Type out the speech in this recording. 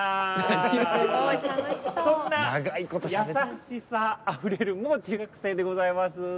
そんな優しさあふれるもう中学生でございます。